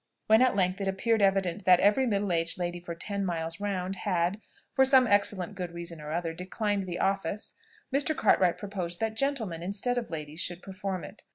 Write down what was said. When at length it appeared evident that every middle aged lady for ten miles round had, for some excellent good reason or other, declined the office, Mr. Cartwright proposed that gentlemen, instead of ladies, should perform it.